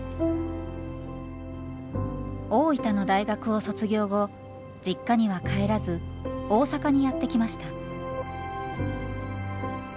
大分の大学を卒業後実家には帰らず大阪にやって来ました。